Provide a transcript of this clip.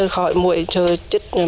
khỏi mũi chứa chứa